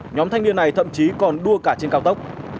nhóm thanh niên này thậm chí còn đua cả trên cao tốc